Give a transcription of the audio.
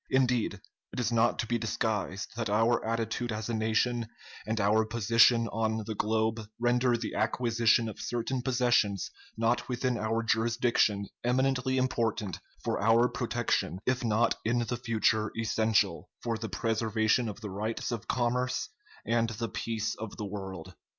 Indeed, it is not to be disguised that our attitude as a nation and our position on the globe render the acquisition of certain possessions not within our jurisdiction eminently important for our protection, if not in the future essential for the preservation of the rights of commerce and the peace of the world."